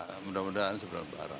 semoga mendah ini sebenarnya lebaran